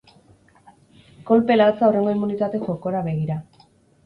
Kolpe latza hurrengo immunitate jokora begira.